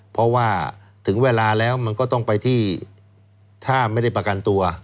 เพราะว่าถึงเวลาแล้วมันก็ต้องไปที่ถ้าไม่ได้ประกันตัว